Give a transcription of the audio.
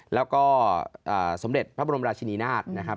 แล้วก็สมเด็จพระบรมราชินีนาฏนะครับ